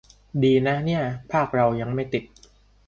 ดีนะเนี่ย ภาคเรายังไม่ติด